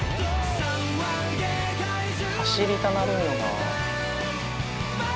走りたなるんよな。